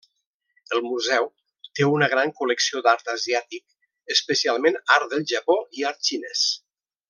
El museu té una gran col·lecció d'art asiàtic, especialment art del japó i art xinès.